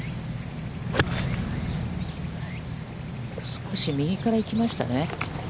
少し右から行きましたね。